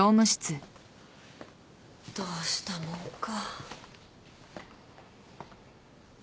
どうしたもんか。